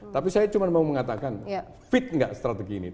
tapi saya cuma mau mengatakan fit nggak strategi ini